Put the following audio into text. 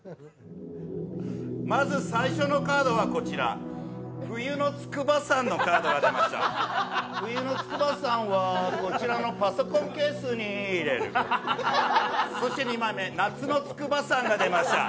まず最初のカードはこちら冬の筑波山のカードがでました冬の筑波山はこちらのパソコンケースに入れるそして２枚目、夏の筑波山が出ました。